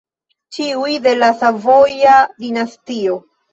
Ĉiuj de la Savoja dinastio.